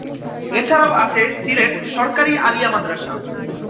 এছাড়াও আছে সিলেট "সরকারি আলিয়া মাদরাসা"।